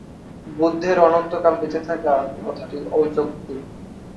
বুদ্ধের অনন্ত কাল বেঁচে থাকা কথাটি অযৌক্তিক।